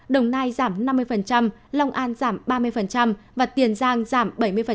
đồng nai giảm năm mươi long an giảm ba mươi và tiền giang giảm bảy mươi